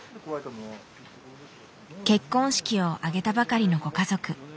結婚式を挙げたばかりのご家族。